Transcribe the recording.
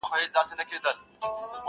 نه یې مال نه یې دولت وي ورته پاته،